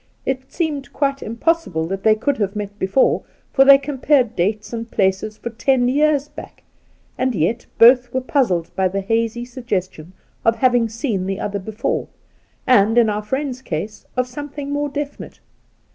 It seemed quite impossible that they could have met before, for they compared dates and places for ten years back, and yet both were puzzled by the hazy suggestion of having seen the, other before, and,' in our friend's case, of soinething more definite.